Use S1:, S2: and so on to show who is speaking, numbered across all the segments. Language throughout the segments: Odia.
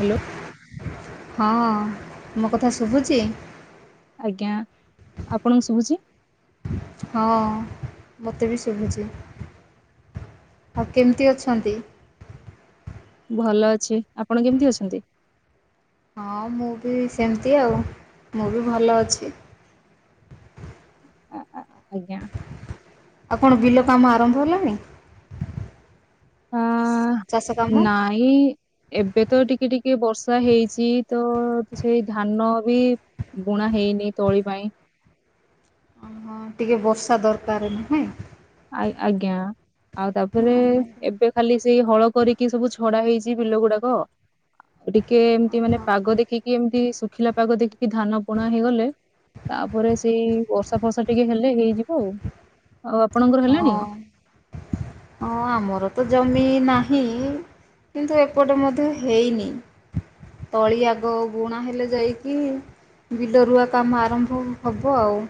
S1: ହ୍ୟାଲୋ।
S2: ହଁ ମୋ କଥା ଶୁଭୁଛି?
S1: ଆଜ୍ଞା। ଆପଣଙ୍କୁ ଶୁଭୁଛି?
S2: ହଁ ମୋତେ ବି ଶୁଭୁଛି। ଆଉ କେମିତି ଅଛନ୍ତି?
S1: ଭଲ ଅଛି। ଆପଣ କେମିତି ଅଛନ୍ତି
S2: ହଁ ମୁଁ ବି ସେମିତି ଆଉ ମୁଁ ବି ଭଲ ଅଛି।
S1: ଅ ଆଜ୍ଞା।
S2: ଆଉ କଣ ବିଲ କାମ ଆରମ୍ଭ ହେଲାଣି
S1: ଆ
S2: ଚାଷ ଚାଷ କାମ?
S1: ନାଇଁ ଏବେ ତ ଟିକେ ଟିକେ ବର୍ଷା ହେଇଛି ତ, ସେଇ ଧାନ ବି ବୁଣା ହେଇନି ତଳି ପାଇଁ।
S2: ଅ, ହଁ ଟିକେ ବର୍ଷା ଦରକାର ନୁହେଁ!
S1: ଆ-ଆଜ୍ଞା, ଆଉ ତା'ପରେ ଏବେ ଖାଲି ସେଇ ହଳ କରିକି, ସବୁ ଛଡା ହେଇଛି ବିଲ ଗୁଡାକ। ଆଉ ଟିକେ ଏମତି ମାନେ, ପାଗ ଦେଖିକି ଏମିତି ଶୁଖିଲା ପାଗ ଦେଖିକି ଧାନ ବୁଣା ହେଇଗଲେ ତା'ପରେ ସେଇ ବର୍ଷା ଫର୍ଷା ଟିକେ ହେଲେ, ହେଇଯିବ ଆଉ। ଆଉ ଆପ୍
S2: ହଁ, ହଁ, ଆମର ତ ଜମି ନାହିଁ। କିନ୍ତୁ ଏପଟେ ମଧ୍ୟ ହେଇନି। ତଳି ଆଗ ବୁଣା ହେଲେ ଯାଇକି ବିଲରୁଆ କାମ ଆରମ୍ଭ ହବ ଆଉ।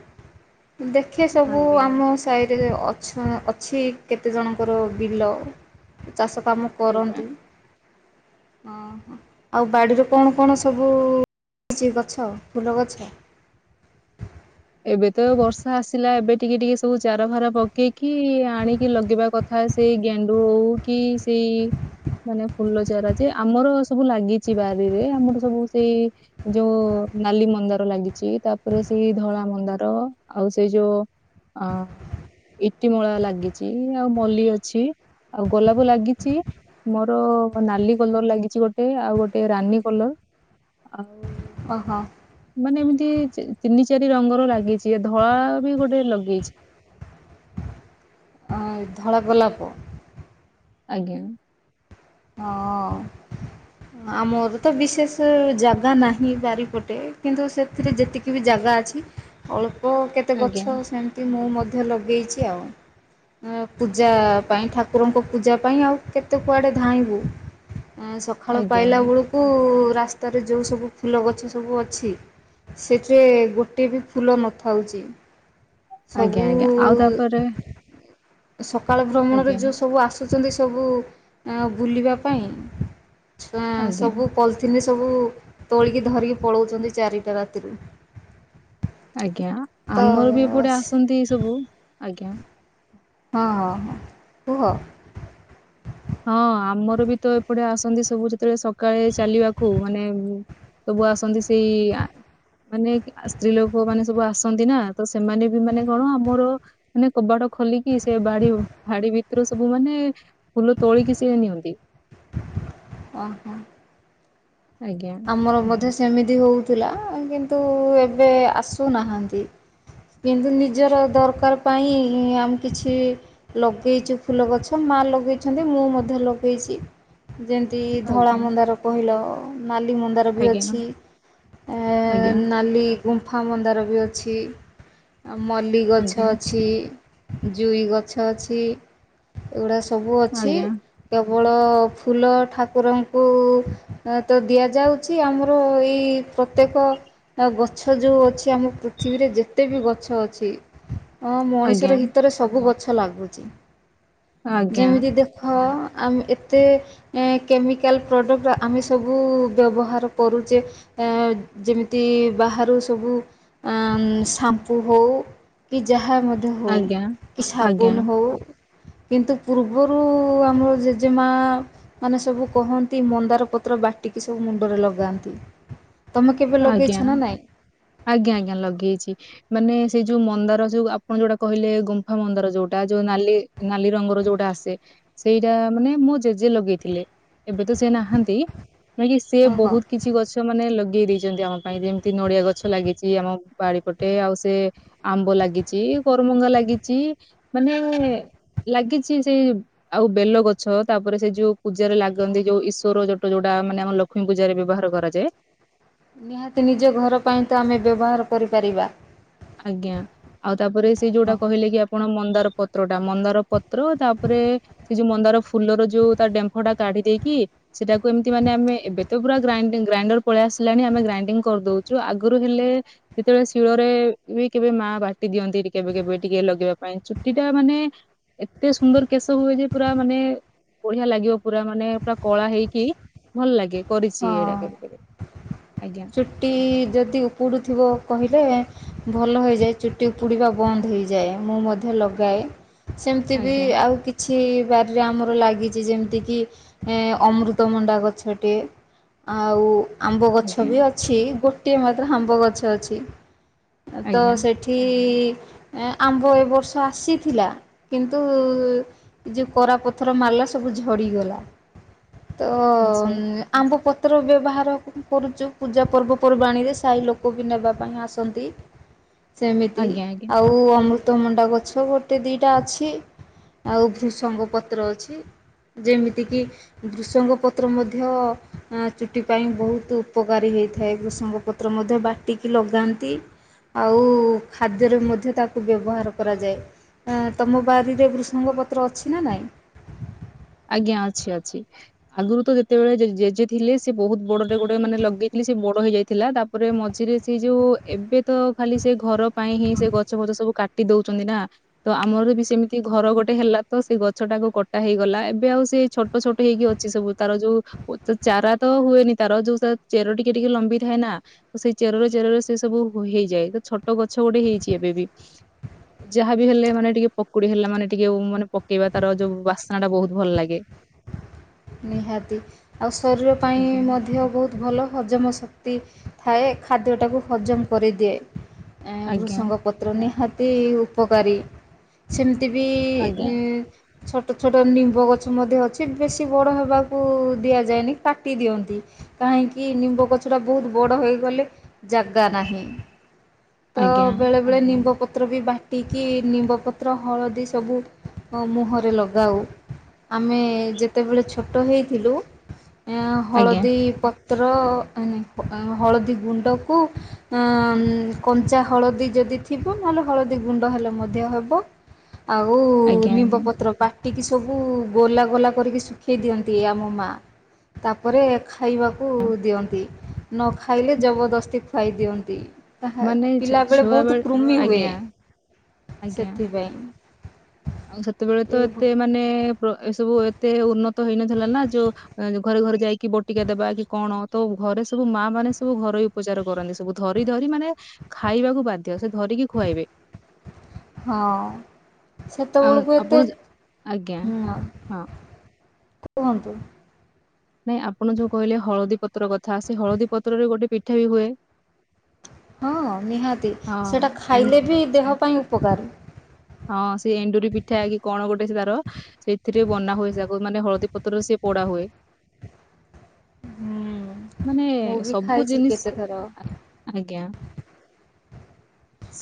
S2: ଦେଖେ ସବୁ
S1: ଆଜ୍ଞା
S2: ଆମ ସା [unintelligible] ଅଛୁଁ ଅଛି କେତେ ଜଣଙ୍କର ବିଲ ଚାଷ କାମ
S1: ଆଜ୍ଞା
S2: କରନ୍ତି। ହଁ ଓହୋ! ଆଉ ବାଡ଼ିରେ କଣ କଣ ସବୁ ଅଛି, ଗଛ ଫୁଲ ଗଛ?
S1: ଏବେ ତ ବର୍ଷା ଆସିଲା, ଏବେ ଟିକେ ଟିକେ ସବୁ ଚାର ଫାର ପକେଇକି, ଆଣିକି ଲଗେଇବା କଥ୍ ଥା ସେଇ ଗେଣ୍ଡୁ ହଉ କି ସେଇ ମାନେ ଫୁଲ ଚାରା ଯେ, ଆମର ସବୁ ଲାଗିଛି ବାରିରେ ଆମର ସବୁ ସେଇ ଯୋଉ ନାଲି ମନ୍ଦାର ଲାଗିଚି, ତା'ପରେ ସେଇ ଧଳା ମନ୍ଦାର ଆଉ ସେ ଯଉ ଅଁ ଇଟିମୂଳା ଲାଗିଚି-ଇ, ଆଉ ମଲ୍ଲି ଅଛି, ଆଉ ଗୋଲାପ ଲାଗିଚି। ମୋର ନାଲି କଲର୍ ଲାଗିଛି, ଗୋଟେ ଆଉ ଗୋଟେ ରାନୀ କଲର୍ ଆଉ
S2: ଅ ହ।
S1: ମାନେ ଏମିତି ଚି ତିନି ଚାରି ରଙ୍ଗର ଲାଗିଚି, ଧଳା ବି ଗୋଟେ ଲଗେଇଛି।
S2: ଅଁ ଧଳା ଗୋଲାପ।
S1: ଆଜ୍ଞା।
S2: ହଁ। ଆମର ତ ବିଶେଷ ଜାଗା ନାହିଁ ବାରିପଟେ। କିନ୍ତୁ ସେଥିରେ ଯେତିକି ବି ଜାଗା ଅଛି। ଅଳ୍ପ କେତେ
S1: ଆଜ୍ଞା,
S2: ଗଛ ସେମିତି ମୁଁ ମଧ୍ୟ ଲଗେଇଚି ଆଉ। ପୂଜା ପାଇଁ ଠାକୁରଙ୍କ ପୂଜା ପାଇଁ ଆଉ, କେତେ କୁଆଡେ ଧାଇଁବୁ। ସଖାଳ
S1: ଆଜ୍ଞା,
S2: ପାଇଲା ବୁଳୁ କୁ ରାସ୍ତାରେ ଯଉ ସବୁ ଫୁଲ ଗଛ ସବୁ ଅଛି। ସେଠିରେ ଗୋଟେ ବି ଫୁଲ ନଥାଉଛି।
S1: ଆଜ୍ଞା, ଆଜ୍ଞା, ଆଉ ତାପରେ
S2: ସବୁ-ଉ ସକାଳ ଭ୍ରମଣରେ
S1: ଆଜ୍ଞା,
S2: ଯଉ ସବୁ ଆସୁଛନ୍ତି, ସବୁ ବୁଲିବା ପାଇଁ ଛୁଆଁ
S1: ଆଜ୍ଞା,
S2: ସବୁ ପଲିଥିନି ସବୁ ତୋଳିକି ଧରିକି ପଳଉଛନ୍ତି, ଚାରିଟା ରାତିରୁ।
S1: ଆଜ୍ଞା,
S2: ତ ହଁ
S1: ଆମର ବି ଏପଟେ
S2: ହଁ
S1: ଆସନ୍ତି ସବୁ, ଆଜ୍ଞା।
S2: ହଁ, ହଁ, ହଁ, କୁହ।
S1: ହଁ, ଆମର ବି ତ ଏପଟେ ଆସନ୍ତି ସବୁ, ଯେତେବେଳେ ସକାଳେ ଚାଲିବାକୁ ମାନେ ସବୁ ଆସନ୍ତି, ସେଇ-ଇ ଆଁ ମାନେ ସ୍ତ୍ରୀ ଲୋକ ମାନେ ସବୁ ଆସନ୍ତି ନା, ତ ସେମାନେ ବି ମାନେ କଣ ଆମର ମାନେ କବାଟ ଖୋଲିକି, ସେ ବାଡି ଭାଡି ଭିତରୁ ସବୁ ମାନେ ଫୁଲ ତୋଳିକିି ସେ ନିଅନ୍ତି।
S2: ଅ ହ।
S1: ଆଜ୍ଞା।
S2: ଆମର ମଧ୍ୟ ସେମିତି ହଉଥିଲା। କିନ୍ତୁ ଏବେ ଆସୁନାହାଁନ୍ତି। କିନ୍ତୁ ନିଜର ଦରକାର ପାଇଁ ଉଁ, ଆମେ କିଛି ଲଗେଇଛୁ ଫୁଲ ଗଛ, ମା ଲଗେଇଛନ୍ତି, ମୁଁ ମଧ୍ୟ ଲଗେଇଛି। ଯେମ ତି ଧଳା
S1: ଆଜ୍ଞା,
S2: ମନ୍ଦାର କହିଲ ନାଲି ମନ୍ଦା [unintelligible]
S1: ଆଜ୍ଞା,
S2: ଅଛି ଆ,
S1: ଆଜ୍ଞା,
S2: ନାଲି ଗୁମ୍ଫା ମନ୍ଦାର ବି ଅଛି। ଆ, ମଲ୍ଲି ଗଛ
S1: ଆଜ୍ଞା,
S2: ଅଛି, ଜୁଇ ଗଛ ଅଛି। ଏଉଡ଼ା ସବୁ ଅଛି।
S1: ଆଜ୍ଞା,
S2: କେବଳ ଫୁଲ ଠାକୁରଙ୍କୁ ଅ ତ ଦିଆଯାଉଛି ଆମର ଏଇ ପ୍ରତ୍ୟେକ ଆଉ ଗଛ ଯୋଉ ଅଛି ଆମ ପୃଥିବୀରେ ଯେତେ ବି ଗଛ ଅଛି। ଅଁ,
S1: ଆଜ୍ଞା, ଆଜ୍ଞା,
S2: ମଣିଷର ହିତରେ ସବୁ ଗଛ ଲାଗୁଚି।
S1: ଆଜ୍ଞା।
S2: ଯେମିତି ଦେଖ ଆମେ ଏତେ ଏ କେମିକାଲ୍ ପ୍ରଡ଼କ୍ଟ ର ଆମେ ସବୁ ବ୍ୟବହାର କରୁଚେ। ଅ, ଯେମିତି ବାହାରୁ ସବୁ ଅଁ, ଉଁ, ସାମ୍ପୁ ହଉ କି ଯାହା ମଧ୍ଯ ହଉ
S1: ଆଜ୍ଞା
S2: କି
S1: ଆଜ୍ଞା
S2: ସାବୁନ ହଉ। କିନ୍ତୁ ପୂର୍ବରୁ ଆମର ଜେଜେମା ମାନେ ସବୁ କହନ୍ତି ମନ୍ଦାର ପତ୍ର ବାଟିକି ସବୁ ମୁଣ୍ଡରେ ଲଗାନ୍ତି। ତମେ କେବେ ଲଗେଇଛ
S1: ଆଜ୍ଞା,
S2: ନା ନାଇଁ
S1: ଆଜ୍ଞା, ଆଜ୍ଞା ଲଗେଇଛି। ମାନେ ସେଇ ଯୋଉ ମନ୍ଦାର ଯୋଉ ଆପଣ ଯୋଉଟା କହିଲେ ଗୁମ୍ଫା ମନ୍ଦାର ଯୋଉଟା, ଯୋଉ ନାଲି ନାଲି ରଙ୍ଗର ଯୋଉଟା ଆସେ। ସେଇଟା ମାନେ ମୋ ଜେଜେ ଲଗେଇଥିଲେ, ଏବେ ତ ସେ ନାହାନ୍ତି। ମେ ବି ସେ
S2: ହଁ ହଁ
S1: ବହୁତ କିଛି ଗଛ ମାନେ ଲଗେଇ ଦେଇ ଯେମତି ଆମ ପାଇଁ ଯେମିତି ନଡିଆ ଗଛ ଲାଗିଛି, ଆମ ବାଡି ପଟେ। ଆଉ ସେ ଆମ୍ବ ଲାଗିଛି, କରମଙ୍ଗା ଲାଗିଛି, ମାନେ ଲାଗିଛି ସେ ଆଉ ବେଲ ଗଛ, ତାପରେ ସେ ଯୋଉ ପୂଜାରେ ଲାଗନ୍ତି ଯୋଉ ଈଶ୍ୱର ଯୋଟ ଯୋଉଟା ମାନେ ଆମ ଲ କ୍ଷ୍ମୀ ପୂଜାରେ ବ୍ୟବହାର କରାଯାଏ।
S2: ନିହାତି ନିଜ ଘର ପାଇଁ ତ ଆମେ ବ୍ୟବହାର କରିପାରିବା।
S1: ଆଜ୍ଞା। ଆଉ ତାପରେ ସେ
S2: ହଁ
S1: ଯୋଉଟା କହିଲେ କି ଆପଣ ମନ୍ଦାର ପତ୍ର ଟା, ମନ୍ଦାର ପତ୍ର ତାପରେ ସେ ଯୋଉ ମନ୍ଦାର ଫୁଲର ଯୋଉ ତା ଡେମ୍ଫଟା କାଢି ଦେଇକି, ସେଟାକୁ ଏମିତି ମାନେ ଆମେ ଏବେ ତ ପୁରା ଗ୍ରାଇଡିଙ୍ଗ ଗ୍ରାଇଣ୍ଡର୍ ପଳେଇ ଆସିଲାଣି ଆମେ ଗ୍ରାଇଣ୍ଡିଙ୍ଗ କରିଦଉଛୁ। ଆଗରୁ ହେଲେ ଯେତେବେଳେ ଶିଳରେ ଏ କେବେ ମା ବାଟି ଦିଅନ୍ତି କେବେ କେବେ ଟିକେ ଲଗେଇବା ପାଇଁ, ଚୁଟି ଟା ମାନେ ଏତେ ସୁନ୍ଦର କେଶ ହୁଏ ଯେ ପୁରା ମାନେ ବଢିଆ ଲାଗିବ ପୁରା ମାନେ ପୁରା କଳା ହେଇକି ଭଲ ଲାଗେ କରିଛି ଏଇଡା କେବେ କେବେ ଆଜ୍ଞା।
S2: ଟି ଯଦି ଉପୁଡ଼ୁଥିବ କହିଲେ ଭଲ ହୋଇଯାଏ, ଚୁଟି ଉପୁଡ଼ିବା ବନ୍ଦ ହେଇଯାଏ। ମୁଁ ମ ଧ୍ୟ ଲଗାଏ, ସେମିତି ବି
S1: ଆଜ୍ଞା
S2: ଆଉ କି ଛି ବାରିରେ ଆମର ଲାଗିଚି ଯେମିତିକି ଏଁ, ଅମୃତମଣ୍ଡା ଗଛଟିଏ। ଆଉ ଆମ୍ବ ଗଛ
S1: ଆଜ୍ଞା
S2: ବି ଅଛି, ଗୋଟିଏ ମାତ୍ର ଆମ୍ବ ଗଛ ଅଛି। ଏ ତ
S1: ଆଜ୍ଞା
S2: ସେ ଠି ଏଁ, ଆମ୍ବ ଏ ବର୍ଷ ଆସିଥିଲା କିନ୍ତୁ ଯେ କରାପଥର ମାରଲା ସବୁ ଝଡ଼ିଗଲା, ତ ଅ,
S1: ଆଚ୍ଛା
S2: ଉଁ, ଆ, ଆମ୍ବ ପତ୍ର ବ୍ୟବହାର କରୁଚୁ, ପୂଜା ପର୍ବପର୍ବାଣୀରେ ସାଇ ଲୋକ ବି ନେବା ପାଇଁ ଆସନ୍ତି। ସେମିତି
S1: ଆଜ୍ଞା ଆଜ୍ଞା
S2: ଆଉ ଆମ ତମୁଣ୍ଡା ଗଛ ଗୋଟେ ଦିଟା ଅଛି, ଆଉ ଭୃଷଙ୍ଗ ପତ୍ର ଅଛି। ଯେମିତିକି ବୃଷଙ୍ଗ ପତ୍ର ମଧ୍ୟ ଅ ଚୁଟି ପାଇଁ ବହୁତ ଉପକାରୀ ହୋଇଇଥାଏ। ଭୃଷଙ୍ଗ ପତ୍ର ମଧ୍ୟ ବାଟିକି ଲଗାନ୍ତି। ଆଉ ଖାଦ୍ୟରେ ମଧ୍ୟ ତାକୁ ବ୍ୟବହାର କରାଯାଏ। ଆ ତମ ବାରିରେ ବୃଷଙ୍ଗ ପତ୍ର ଅଛି ନା ନହିଁ?
S1: ଆଜ୍ଞା ଅଛି ଅଛି। ଆଗରୁ ତ ଯେତେବେଳେ ଜେଜେ ଥିଲେ ସେ ବହୁତ ବଡରେ ଗୋଟେ ମାନେ ଲଗେଇଥିଲେ ସେ ବଡ ହେଇଯାଇଥିଲା ତା ଉପରେ ମଝିରେ ସେଇ ଯୋଉ ଏବେ ତ ଖାଲି ସେ ଘର ପାଇଁ ହିଁ ସେ ଗଛ ଫଛ ସବୁ କାଟି ଦଉଛନ୍ତି ନା। ତ ଆମର ବି ସେମିତି ଘର ଗୋଟେ ହେଲା ତ ସେ ଗଛ ଟାକୁ କଟା ହେଇଗଲା। ଏବେ ଏବେ ଆଉ ସେଇ ଛୋଟ ଛୋଟ ହେଇକି ଅଛି ସବୁ ତାର ଯୋଉ ତ ଚାରା ତ ହୁଏନି ତାର ଯୋଉ ଚେର ଟିକେ ଟିକେ ଲମ୍ବି ଥାଏ ନା ସେଇ ଚେରରେ ଚେରରେ ସେ ସବୁ ହେଇଯାଏ ତ ଛୋଟ ଗଛ ଗୋଟେ ହେଇଛି ଏବେ ବି। ଯାହାବ ହେଲେ ମାନେ ଟିକେ ପକୁଡି ହେଲା ମାନେ ଟିକେ ମାନେ ପକେଇବା ତାର ଯୋଉ ବାସ୍ନା ଟା ବହୁତ ଭଲ ଲାଗେ।
S2: ନିହାତି ଆଉ ଶରୀର ପାଇଁ
S1: ଆଜ୍ଞା।
S2: ମଧ୍ୟ ବହୁତ ଭଲ। ହଜମ ଶକ୍ତି ଥାଏ ଖାଦ୍ୟଟାକୁ ହଜମ କରିଦିଏ
S1: ଆଜ୍ଞା
S2: ବୃଷଙ୍ଗ ପତ୍ର ନିହାତି ଉପକାରୀ ସେମିତି ବି
S1: ଆଜ୍ଞା
S2: ଉ ଛୋଟ ଛୋଟ ନିମ୍ବ ଗଛ ମଧ୍ୟ ଅଛି ବେଶୀ ବେଶି ବଡ଼ ହେବାକୁ ଦିଆଯାଏନି ତାଟି ଦିଅନ୍ତି। କାହିଁକି ନିମ୍ବ ଗଛ ଟା ବହୁତ ବଡ ହେଇଗଲେ ଜାଗା ନାହିଁ। ତ
S1: ଆଜ୍ଞା
S2: ବେଳେବେଳେ ନିମ୍ବପତ୍ର ବି ବାଟିକି ନିମ୍ବପତ୍ର ହଳଦୀ ସବୁ ମୁହଁରେ ଲଗାଉ ଆମେ ଯେ ସେତେବେଳେ ଛୋଟ ହେଇଥିଲୁ
S1: ଆଜ୍ଞା
S2: ହଳଦୀ ପ ପତ୍ର ଏ ନାଇ ମାନେ ହଳଦୀ ଗୁଣ୍ଡକୁ ଅ କଞ୍ଚା ହଳଦୀ ଯଦି ଥିବ ନହେଲେ ହଳଦୀ ଗୁଣ୍ଡ ହେଲେ ମଧ୍ୟ ହବ। ଆଉ
S1: ଆଜ୍ଞା
S2: ନିମ୍ବ
S1: ଆଜ୍ଞା
S2: ପତ୍ର ପାଟିକି ସବୁ ଗୋଲା ଗୋଲା କରିକି ଶୁଖେଇ ଦିଅନ୍ତି ଆମ ମା ତାପରେ ଖାଇବାକୁ ଦିଅନ୍ତି। ନ ଖାଇଲେ ଜବରଦସ୍ତି ଖୁଆଇ ଦିଅନ୍ତି। ତାହା
S1: ମାନେ ଛ
S2: ପିଲାବେଳେ
S1: ଛୁଆ
S2: ବହୁତ
S1: ବେଳେ
S2: କୃମି ହୁଏ
S1: ଆଜ୍ଞା ଆଜ୍ଞା
S2: ସେଥିପାଇଁ।
S1: ଆଉ ସେତେବେଳେ
S2: ଏ
S1: ତ ଏତେ ମାନେ ଏ ସବୁ ଏତେ ଉନ୍ନତ ହେଇନଥିଲା ନା ଯୋ ଘରେ ଘରେ ଯାଇକି ବଟିକା ଦେବା କି କଣ ତ ଘରେ ସବୁ ମା ମାନେ ସବୁ ଘରୋଇ ଉପଚାର କରନ୍ତି ସବୁ ଧରି ଧରି ମାନେ ଖାଇବାକୁ ବାଧ୍ୟ ସେ ଧରିକି ଖୁଆଇବେ।
S2: ହଁ।
S1: ଆଉ
S2: ସେତେବେଳକୁ
S1: ଆପଣ
S2: ଏତେ
S1: ଯ- ଆଜ୍ଞା
S2: ହୁଁ
S1: ହଁ
S2: କୁହନ୍ତୁ।
S1: ନାଇଁ ଆପଣ ଯୋଉ କହିଲେ ହଳଦୀ ପତ୍ର କଥା ସେ ହଳଦୀ ପତ୍ରରେ ଗୋଟେ ପିଠା ବି ହୁଏ।
S2: ହଁ ନିହାତି ସେଇଟା
S1: ହଁ
S2: ଖାଇଲେ ବି ଦେହ ପାଇଁ ଉପକାର।
S1: ହଁ ସେ ଏଣ୍ଡୁରି ପିଠା କି କଣ ଗୋଟେ ସେ ତାର ସେଇଥିରେ ବନା ହୁଏ ଯକୁ ମାନେ ହଳଦୀ ପତ୍ରରେ ସେଏ ପୋଡା ହୁଏ।
S2: ହୁଁ
S1: ମାନେ
S2: ମୁଁ ବି
S1: ସବୁ
S2: ଖାଇଛି
S1: ଜିନିଷ
S2: କେତେଥର
S1: ଆଜ୍ଞା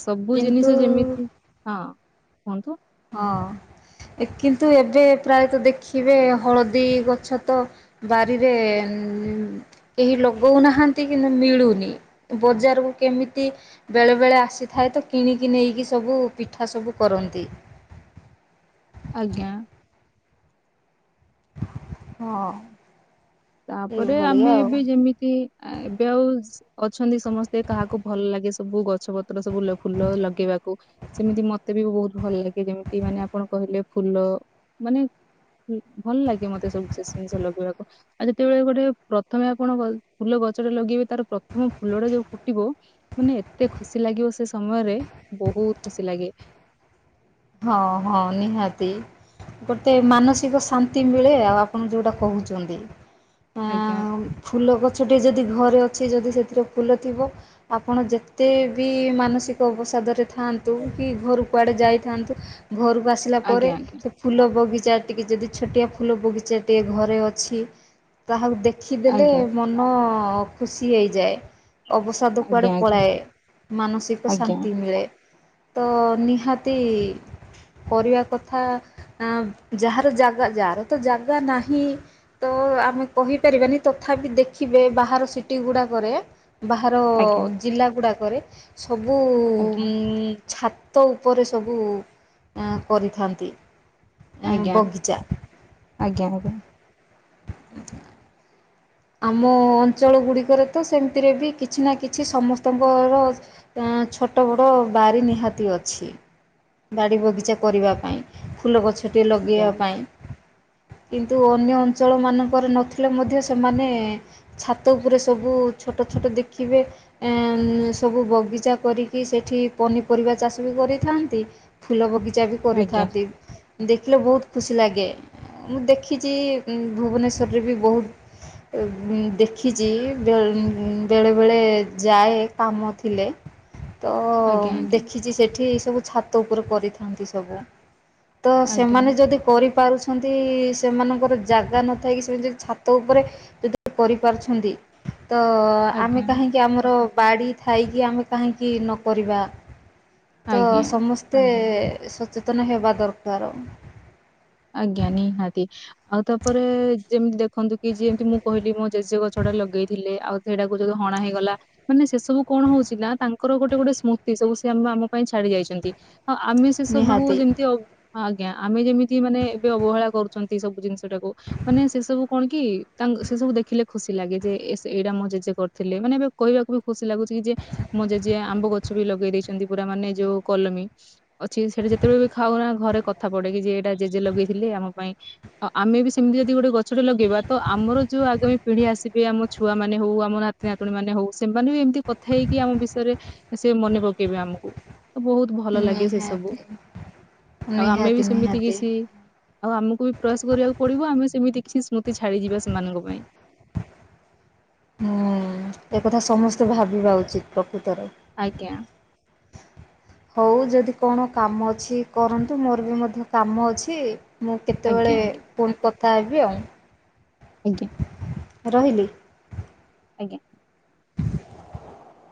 S1: ସବୁ
S2: କିନ୍ତୁ
S1: ଜିନିଷ ଯେମିତି ହଁ। ହନ୍ତ।
S2: ହଁ କିନ୍ତୁ ଏବେ ପ୍ରାୟତଃ ଦେଖିବେ ହଳଦୀ ଗଛ ତ ବାରିରେ କେହି ଲଗାଉନାହାନ୍ତି କିନ୍ତୁ ମିଳୁନି ବଜାରକୁ କେମିତି ବେଳେ ବେଳେ ଆସିଥାଏ ତ କିଣିକି ନେଇକି ସବୁ ପିଠା ସବୁ କରନ୍ତି।
S1: ଆଜ୍ଞା
S2: ହଁ
S1: ତାପରେ ଆମେ
S2: ଏଇଭଳିଆ ଆଉ
S1: ଏବେ ଯେମିତି ଏବେ ଆଉ ଅଛନ୍ତି ସମସ୍ତେ କାହାକୁ ଭଲ ଲାଗେ ସବୁ ଗଛ ପତ୍ର ସବୁ ଫୁଲ ଲଗେଇବାକୁ। ସେମିତି ମତେ ବି ବହୁତ ଭଲ ଲାଗେ ଯେମିତି ମାନେ ଆପଣ କହିଲେ ଫୁଲ ମାନେ ଭଲ ଲାଗେ ମତେ ସବୁ ସେଷ ଜିନିଷ ଲଗେଇବାକୁ ଆଉ ଯେତେବେଳେ ଗୋଟେ ପ୍ରଥମେ ଆପଣ ଫୁଲ ଗଛ ଟା ଲଗେଇବେ ତାର ପ୍ରଥମ ଫୁଲ ଟା ଯୋଉ ଫୁଟିବ। ମାନେ ଏତେ ଖୁସି ଲାଗିବ ସେ ସମୟରେ ବହୁତ ଖୁସି ଲାଗେ।
S2: ହଁ ହଁ ନିହାତି ଗୋଟେ ମାନସିକ ଶାନ୍ତି ମିଳେ ଆଉ ଆପଣ ଯୋଉଟା କହୁଛନ୍ତି
S1: ଆଜ୍ଞା।
S2: ଆଁ ଫୁଲ ଗଛଟିଏ ଯଦି ଘରେ ଅଛି ଯଦି ସେଥିରେ ଫୁଲ ଥିବ ଆପଣ ଯେତେ ବି ମାନସିକ ଅବସାଦରେ ଥାଆନ୍ତୁ କି ଘରୁ କୁଆଡ଼େ ଯାଇଥାନ୍ତୁ। ଘରକୁ ଆସିଲା ପରେ
S1: ଆଜ୍ଞା ଆଜ୍ଞା
S2: ସେ ଫୁଲ ବଗିଚା ଟିକିଏ ଯଦି ଛୋଟିଆ ଫୁଲ ବଗିଚା ଟିଏ ଘରେ ଅଛି ତାହାକୁ ଦେଖିଦେଲେ
S1: ଆଜ୍ଞା
S2: ମନ ଖୁସି ହେଇଯାଏ। ଅବସାଦ କୁଆଡ଼େ
S1: ଆଜ୍ଞା
S2: ପଳାଏ ମାନସିକ
S1: ଆଜ୍ଞା
S2: ଶାନ୍ତି ମିଳେ। ତ ନିହାତି କରିବା କଥା ଆ ଯାହାର ଜାଗା ଯାହାର ତ ଜାଗା ନାହିଁ ତ ଆମେ କହିପାରିବାନି ତଥାପି ଦେଖିବେ ବାହାର ସିଟି ଗୁଡ଼ାକରେ ବାହାର ଜିଲ୍ଲା ଗୁଡ଼ାକରେ ସବୁ
S1: ଆଜ୍ଞା
S2: ଛା ଛତ ଉପରେ ସବୁ କରିଥାନ୍ତି।
S1: ଆଜ୍ଞା
S2: ବଗିଚା
S1: ଆଜ୍ଞା ଆଜ୍ଞା
S2: ଆମ ଅଞ୍ଚଳ ଗୁଡ଼ିକରେ ତ ସେମିତିରେ ବି କିଛି ନା କିଛି ସମସ୍ତଙ୍କର ଛୋଟ ବଡ଼ ବାରି ନିହାତି ଅଛି ବାଡ଼ି ବଗିଚା କରିବା ପାଇଁ ଫୁଲ ଗଛଟି ଲଗେଇବା ପାଇଁ କିନ୍ତୁ ଅନ୍ୟ ଅଞ୍ଚଳ ମାନଙ୍କରେ ନଥିଲେ ମଧ୍ୟ ସେମାନେ ଛାତ ଉପରେ ସବୁ ଛୋଟ ଛୋଟ ଦେଖିବେ ସବୁ ବଗିଚା କରିକି ସେଠି ପନିପରିବା ଚାଷ ବି କରିଥାନ୍ତି। ଫୁଲ ବଗିଚା ବି
S1: ଆଜ୍ଞା ଆଜ୍ଞା
S2: କରିଥାନ୍ତି। ଦେଖିଲେ ବହୁତ ଖୁସି ଲାଗେ ମୁଁ ଦେଖିଛି ଭୁବନେଶ୍ୱରରେ ବି ବହୁତ ଦେଖିଛି ବେଳେ ବେଳେ ଯାଏ କାମ ଥିଲେ। ତ
S1: ଆଜ୍ଞା ଆଜ୍ଞା ଆଜ୍ଞା
S2: ଦେଖିଛି ସେଠି ସବୁ ଛାତ ଉପରେ କରିଥାନ୍ତି ସବୁ। ତ
S1: ଆଜ୍ଞା ଆଜ୍ଞା
S2: ସେମାନେ ଯଦି କରିପାରୁଛନ୍ତି ସେମାନଙ୍କର ଜାଗା ନଥାାଇ କିି ସେ ଯଦି ଛ ତ ଉପରେ ଯଦି କରିପାରୁଛନ୍ତି ତ ଆମେ
S1: ଆଜ୍ଞା
S2: କାହିଁକି ଆମର ବାଡ଼ି ଥାଇକି ଆମେ କାହିଁକି ନକରିବା ତ
S1: ଆଜ୍ଞା
S2: ସମସ୍ତେ ମତେ ସଚେତନ ହେବା ଦରକାର।
S1: ଆଜ୍ଞା ନିହାତି ଆଉ ତାପରେ ଯେମିତି ଦେଖନ୍ତୁ। କି ଯେମିତି ମୁଁ କହିଲି ମୋ ଜେଜେ ଗଛଟ ଟା ଲଗେଇ ଥିଲେ ଆଉ ସେଇଟାକୁ ଯଦି ହଣା ହେଇଗଲା। ମାନେ ସେ ସବୁ କଣ ହଉଥିଲା ତାଙ୍କର ଗୋଟେ ଗୋଟେ ସ୍ମୃତି ସବୁ ସେ ଆମ ପାଇଁ ଛାଡି ଯାଇଛନ୍ତି। ହ ଆମେ ସେ ସବୁକୁ
S2: ନିହାତି।
S1: ଯେମିତି ଆଜ୍ଞା ଆମେ ଯେମତି ଯି ମାନେ ଏବେ ଅବହେଳା କରୁଛନ୍ତି ସବୁ ଜିନିଷ ଟାକୁ। ମାନେ ସେ ସବୁ କଣ କି ତା ସେ ସବୁ ଦେଖିଲେ ଖୁସି ଲାଗେ ଯେ ଏ ଏଇଟା ମଁ ଜେଜେ କରିଥିଲେ ମାନେ ଏବେ କହିବାକୁ ବି ଖୁସି ଲାଗୁଛି କି ଯେ ମୋ ଜେଜେ ଆମ୍ବ ଗଛ ବି ଲଗେଇ ଦେଇଛନ୍ତି ପୁରା ମାନେ ଯୋଉ କଲମୀ। ଅଛି ସେଠା ଯେତେବେଳେ ବି ଖାଉନା ଘରେ କଥା ପଡେ କି ଯେ ଏଇଟା ଜେଜେ ଲଗେଇଥିଲେ ଆମ ପାଇଁ। ଆଉ ଆମେ ବି ସେମିତି ଯଦି ଗୋଟେ ଗଛଟେ ଲଗେଇବା ତ ଆମର ଯୋଉ ଆଗାମୀ ପିଢି ଆସିବେ ଆମ ଛୁଆମାନେେ ହଉ ଆମ ନାତି ନାତୁଣୀ ମାନେ ହଉ ସେମାନେ ବି ଏମିତି କଥା ହେଇକି ଆମ ବିଷୟରେ ସେ ମନେ ପକେଇବେ ଆମକୁ, ବହୁତ୍ ଭଲ ଲାଗେ ସେ ସବୁ,
S2: ନିହାତି
S1: ଆଉ ଆମେ
S2: ନିହାତି
S1: ବି ସେମିତି
S2: ନିହାତି।
S1: କିଛ୍ ଇ, ଆଉ ଆମକୁ ବି ପ୍ରୟାସ କରିବାକୁ ପଡିବ ଆମେ ସେମିତି କିଛି ସ୍ମୃତି ଛାଡିଯିବା ସେମାନଙ୍କ ପାଇଁ‌।
S2: ହୁଁ-ଉଁ-ଉଁ-ଉଁ ଏକଥା ସମସ୍ତେ ଭାବିବା ଉଚିତ୍ ପ୍ରକୃତରେ।
S1: ଆଜ୍ଞା।
S2: ହଉ ଯଦି କଣ କାମ ଅଛି କରନ୍ତୁ ମୋର ବି ମଧ୍ୟ କାମ ଅଛି। ମୁଁ
S1: ଆଜ୍ଞା
S2: କେତେବେଳେ
S1: ଆଜ୍ଞା
S2: ପୁଣି କଥା ହେବି ଆଉ।
S1: ଆଜ୍ଞା।
S2: ରହିଲି।
S1: ଆଜ୍ଞା।
S2: [inaudible]